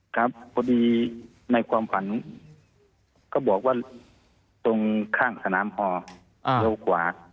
ครับพอดีในความฝันก็บอกว่าตรงข้างสนามฮอเร็วกว่า